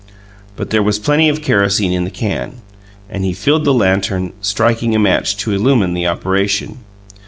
But there was plenty of kerosene in the can; and he filled the lantern, striking a match to illumine the operation.